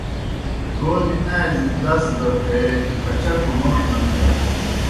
تومیْ آن٘زِیْ دس تھے کھچٹوْ موْݜ نہ تِھیا۔